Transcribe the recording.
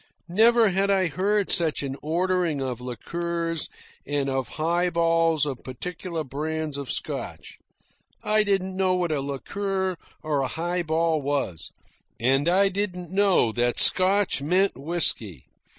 Never had I heard such an ordering of liqueurs and of highballs of particular brands of Scotch. I didn't know what a liqueur or a highball was, and I didn't know that "Scotch" meant whisky.